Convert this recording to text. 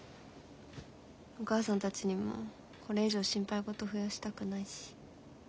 お母さんたちにもうこれ以上心配事増やしたくないし。